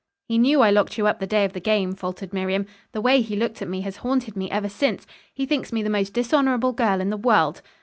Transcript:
"He knew I locked you up the day of the game," faltered Miriam, "The way he looked at me has haunted me ever since. He thinks me the most dishonorable girl in the world."